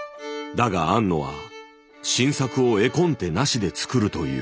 だが庵野は新作を画コンテなしで作るという。